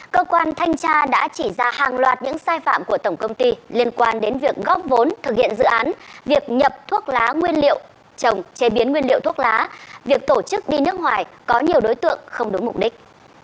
cơ quan thanh tra đã chỉ ra hàng loạt những sai phạm của tổng công ty liên quan đến việc góp vốn thực hiện dự án việc nhập thuốc lá nguyên liệu trồng chế biến nguyên liệu thuốc lá việc tổ chức đi nước ngoài có nhiều đối tượng không đúng mục đích